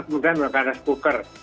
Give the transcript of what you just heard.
kemudian menggunakan raspoker